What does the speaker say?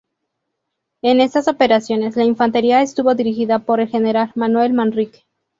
En estas operaciones la infantería estuvo dirigida por el general Manuel Manrique.